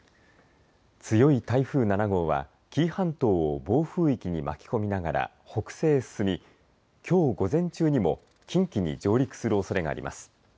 強い台風７号は紀伊半島を暴風域に巻き込みながら北西へ進みきょう午前中にも近畿に上陸するおそれがあります。